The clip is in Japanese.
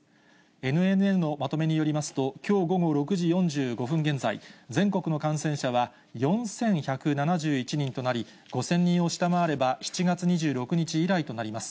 ＮＮＮのまとめによりますと、きょう午後６時４５分現在、全国の感染者は４１７１人となり、５０００人を下回れば７月２６日以来となります。